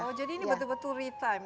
oh jadi ini betul betul retime